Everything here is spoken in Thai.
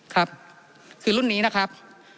ครับคือรุ่นนี้นะครับ